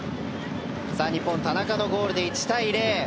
日本、田中のゴールで１対０。